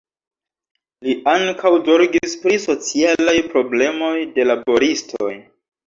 Li ankaŭ zorgis pri socialaj problemoj de laboristoj.